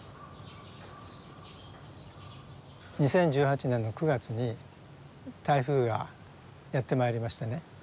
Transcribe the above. ２０１８年の９月に台風がやって参りましてね